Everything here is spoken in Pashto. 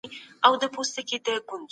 کيدای سي سبا یو نوی فرصت پیدا سي.